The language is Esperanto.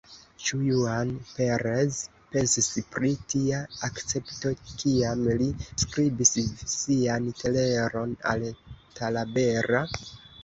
Ĉu Juan Perez pensis pri tia akcepto, kiam li skribis sian leteron al Talabera?